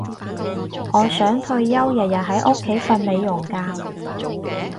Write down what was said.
我想退休日日喺屋企瞓美容覺